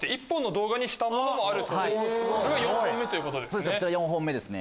それが４本目ということですね。